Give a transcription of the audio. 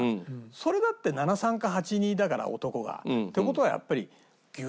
それだって７：３か８：２だから男が。って事はやっぱり。